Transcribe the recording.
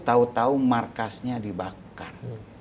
tahu tahu markasnya dibakar